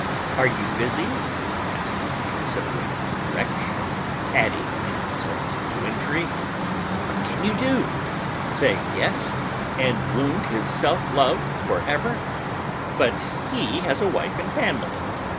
"Are you busy?" asks the considerate wretch, adding insult to injury. What can you do? Say yes, and wound his self love forever? But he has a wife and family.